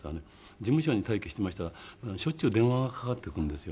事務所に待機していましたらしょっちゅう電話がかかってくるんですよ。